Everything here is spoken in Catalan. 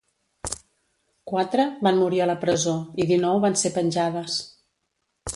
Quatre van morir a la presó i dinou van ser penjades.